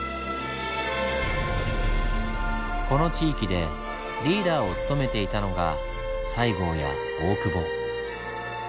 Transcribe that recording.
この地域でリーダーを務めていたのが西郷や大久保。